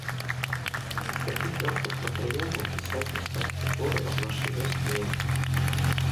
З такіх мёртвых матэрыялаў пісаць мастацкія творы аб нашай вёсцы нельга.